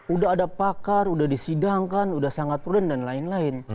udah ada pakar udah disidangkan udah sangat prudent dan lain lain